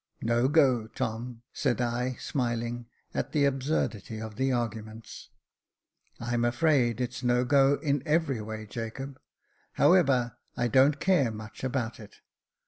"No go, Tom," said I, smiling at the absurdity of the arguments. " I'm afraid it's no go in every way, Jacob. However, I don't care much about it.